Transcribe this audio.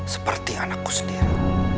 seperti anakku sendiri